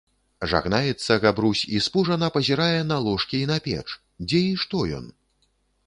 Жагнаецца Габрусь i спужана пазiрае на ложкi i на печ, дзе i што ён?